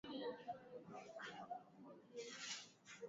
hilo lilikumbwa na vurugu za waathirika wa madawa